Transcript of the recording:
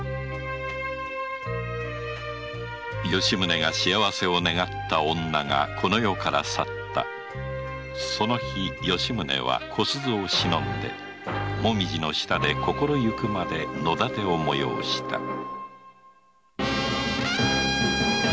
吉宗が幸せを願った女がこの世から去ったその日吉宗は小鈴を偲んで紅葉の下で心ゆくまで野点を催した